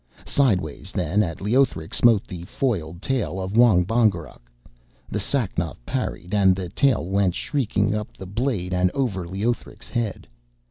Sideways then at Leothric smote the foiled tail of Wong Bongerok, and Sacnoth parried, and the tail went shrieking up the blade and over Leothric's head.